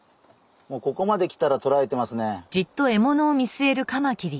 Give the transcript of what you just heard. もうここまで来たらとらえてますね。